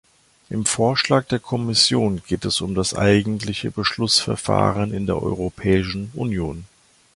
Im Vorschlag der Kommission geht es um das eigentliche Beschlussverfahren in der Europäischen Union.